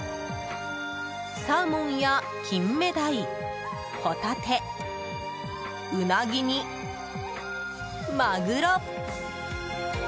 サーモンや金目鯛ホタテ、ウナギにマグロ。